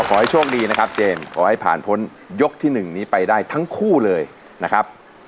ขอให้โชคดีนะครับเจมส์ขอให้ผ่านพ้นยกที่๑นี้ไปได้ทั้งคู่เลยนะครับ